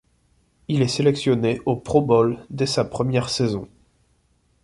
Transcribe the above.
Il est sélectionné au Pro Bowl dès sa première saison.